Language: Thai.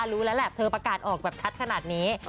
รู้แล้วแหละเธอประกาศออกแบบชัดขนาดนี้